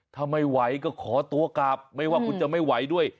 ถ้าไม่ไหวก็ขอตัวกลับไม่ว่าคุณจะไม่ไหวด้วย